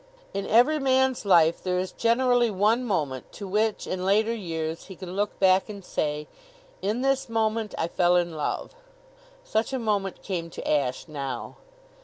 In every man's life there is generally one moment to which in later years he can look back and say: "In this moment I fell in love!" Such a moment came to Ashe now.